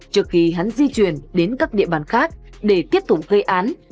trước khi hắn di chuyển đến các địa bàn khác để tiếp tục gây án